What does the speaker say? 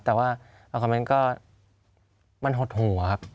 แต่ว่าคอมเมนต์ก็มันหดหัวครับ